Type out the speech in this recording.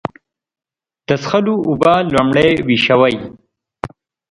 د څښلو اوبه لومړی وېشوئ.